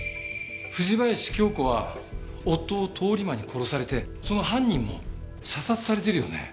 藤林経子は夫を通り魔に殺されてその犯人も射殺されてるよね。